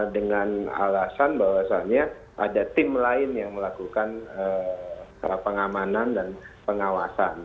dengan alasan bahwasannya ada tim lain yang melakukan pengamanan dan pengawasan